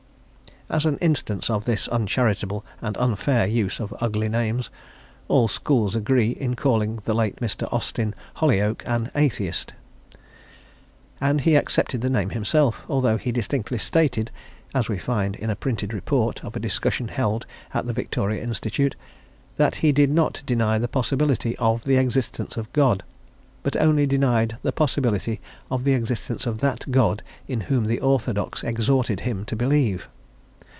As an instance of this uncharitable and unfair use of ugly names, all schools agree in calling the late Mr. Austin Holyoake an "atheist," and he accepted the name himself, although he distinctly stated (as we find in a printed report of a discussion held at the Victoria Institute) that he did not deny the possibility of the existence of God, but only denied the possibility of the existence of that God in whom the orthodox exhorted him to believe.